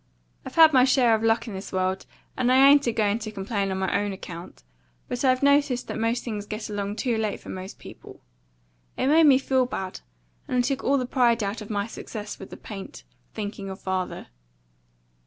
I've had my share of luck in this world, and I ain't a going to complain on my OWN account, but I've noticed that most things get along too late for most people. It made me feel bad, and it took all the pride out my success with the paint, thinking of father.